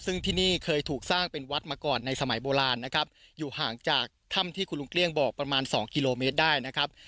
ซึ่งที่นี่เคยถูกสร้างเป็นวัดมาก่อนในสมัยโบราณนะครับอยู่ห่างจากถ้ำที่คุณลุงเกลี้ยงบอกประมาณสองกิโลเมตรได้นะครับ